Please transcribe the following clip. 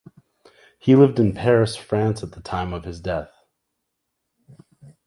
He lived in Paris, France at the time of his death.